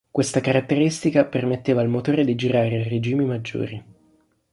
Questa caratteristica permetteva al motore di girare a regimi maggiori.